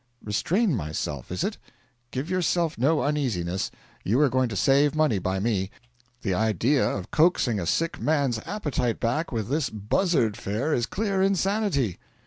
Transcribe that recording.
'Restrain myself, is it? Give yourself no uneasiness. You are going to save money by me. The idea of coaxing a sick man's appetite back with this buzzard fare is clear insanity.'